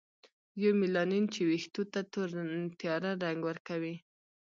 یومیلانین چې ویښتو ته تور تیاره رنګ ورکوي.